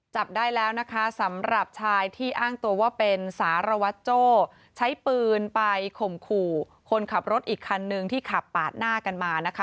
จับได้แล้วนะคะสำหรับชายที่อ้างตัวว่าเป็นสารวัตรโจ้ใช้ปืนไปข่มขู่คนขับรถอีกคันนึงที่ขับปาดหน้ากันมานะคะ